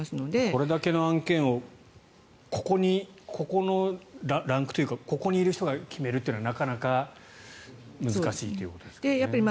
これだけの案件をここのランクというかここにいる人が決めるというのは、なかなか難しいということですね。